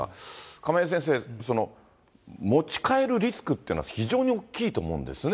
亀井先生、持ち帰るリスクっていうのは、非常に大きいと思うんですよね。